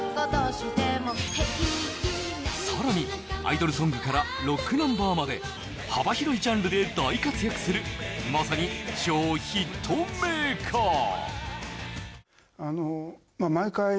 更に、アイドルソングからロックナンバーまで幅広いジャンルで大活躍するまさに超ヒットメーカー。